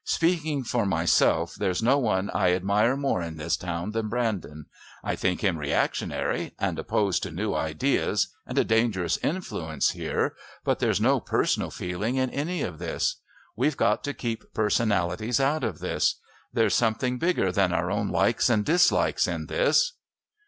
Speaking for myself, there's no one I admire more in this town than Brandon. I think him reactionary and opposed to new ideas, and a dangerous influence here, but there's no personal feeling in any of this. We've got to keep personalities out of this. There's something bigger than our own likes and dislikes in this."